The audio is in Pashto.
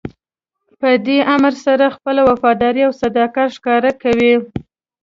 په دې امر سره خپله وفاداري او صداقت ښکاره کوئ.